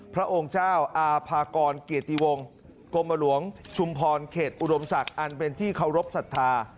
พระองค์เจ้าอาภากรเกียรติวงศ์กรมหลวงชุมพรเขตอุดมศักดิ์อันเป็นที่เคารพสัทธา